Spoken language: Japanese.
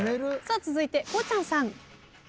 続いてこうちゃんさん。